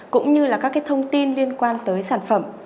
cũng như là các cái thông tin liên quan tới sản phẩm